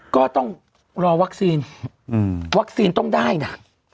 ก็ต้องรอวัคซีนวัคซีนต้องได้นะ